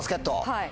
はい。